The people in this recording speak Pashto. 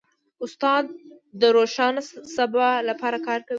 استاد د روښانه سبا لپاره کار کوي.